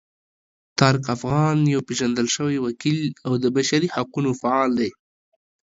طارق افغان یو پیژندل شوی وکیل او د بشري حقونو فعال دی.